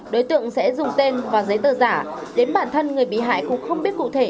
đối tượng sẽ dùng tên và giấy tờ giả đến bản thân người bị hại cũng không biết cụ thể